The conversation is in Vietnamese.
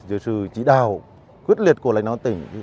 dưới sự chỉ đạo quyết liệt của lãnh đạo tỉnh